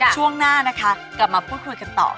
ช่วงหน้านะคะกลับมาพูดคุยกันต่อ